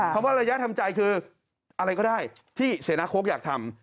ว่าระยะทำใจคืออะไรก็ได้ที่เสนาโค้กอยากทำ